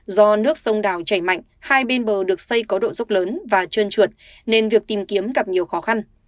do nước sông đào chảy mạnh hai bên bờ được xây có độ dốc lớn và trơn trượt nên việc tìm kiếm gặp nhiều khó khăn